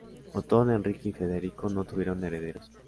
Otón Enrique y Federico no tuvieron herederos.